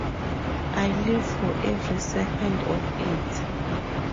I live for every second of it!